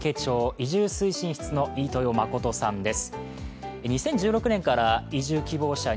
移住推進室の飯豊信さんです。